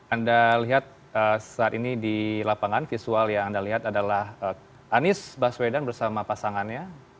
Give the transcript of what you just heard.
anda lihat saat ini di lapangan visual yang anda lihat adalah anies baswedan bersama pasangannya